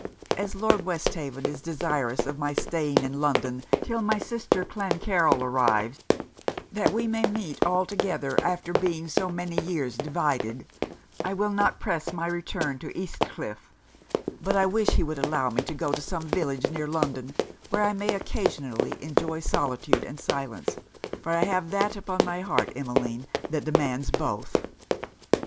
As Lord Westhaven is desirous of my staying in London till my sister Clancarryl arrives, that we may meet all together after being so many years divided, I will not press my return to East Cliff; but I wish he would allow me to go to some village near London, where I may occasionally enjoy solitude and silence; for I have that upon my heart, Emmeline, that demands both.'